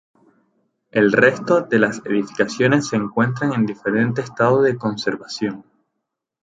El resto de las edificaciones se encuentran en diferente estado de conservación.